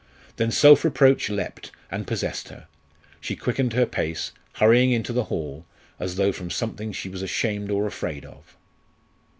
Then self reproach leapt, and possessed her. She quickened her pace, hurrying into the hall, as though from something she was ashamed or afraid of.